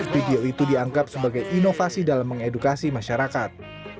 video itu dianggap sebagai inovasi dalam mengedukasi masyarakat